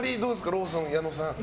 ローソンの矢野さん。